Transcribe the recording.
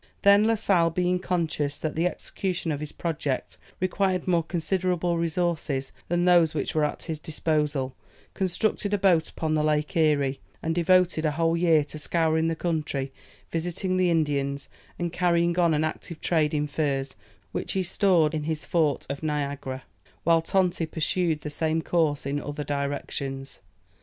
Then La Sale, being conscious that the execution of his project required more considerable resources than those which were at his disposal, constructed a boat upon the Lake Erie, and devoted a whole year to scouring the country, visiting the Indians, and carrying on an active trade in furs, which he stored in his fort of Niagara, while Tonti pursued the same course in other directions.